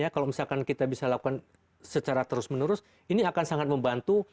kalau misalkan kita bisa lakukan secara terus menerus ini akan sangat membantu